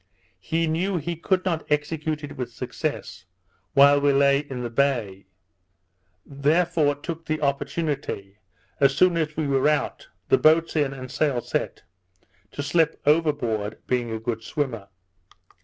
He knew he could not execute it with success while we lay in the bay, therefore took the opportunity, as soon as we were out, the boats in, and sails set, to slip overboard, being a good swimmer.